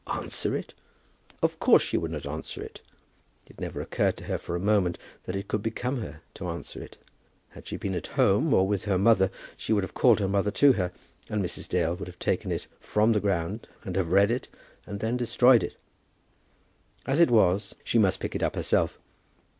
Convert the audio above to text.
Answer it! Of course she would not answer it. It never occurred to her for a moment that it could become her to answer it. Had she been at home or with her mother, she would have called her mother to her, and Mrs. Dale would have taken it from the ground, and have read it, and then destroyed it. As it was, she must pick it up herself.